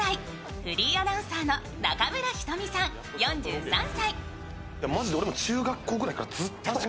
フリーアナウンサーの中村仁美さん４３歳。